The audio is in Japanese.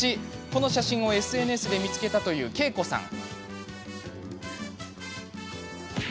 この写真をＳＮＳで見つけたという、けいこさん。